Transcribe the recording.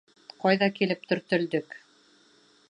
Ҡайҙа килеп төртөлдөк.